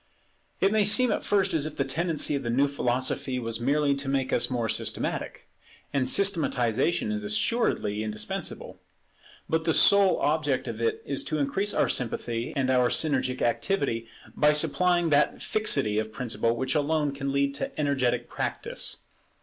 It may seem at first as if the tendency of the new philosophy was merely to make us more systematic. And systematization is assuredly indispensable; but the sole object of it is to increase our sympathy and our synergic activity by supplying that fixity of principle which alone can lead to energetic practice.